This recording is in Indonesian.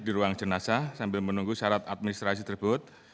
jangan jenazah sambil menunggu syarat administrasi terbut